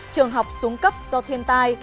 trường học xuống cấp do thiên tai